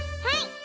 はい！